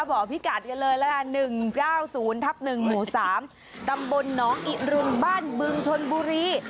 บอกพี่กัดกันเลยละกัน๑๙๐ทับ๑หมู่๓ตำบลน้องอิรุณบ้านบึงชนบุรี